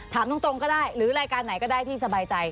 ถามตรงก็ได้หรือรายการไหนก็ได้ที่สบายใจ